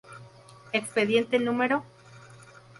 Expediente No.